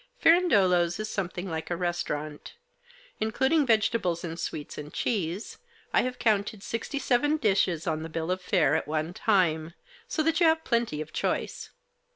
Firandolo's is something like a restaurant. Including vegetables, and sweets, and cheese, I have counted sixty seven dishes on the bill of fare at one time, so that you have plenty of choice.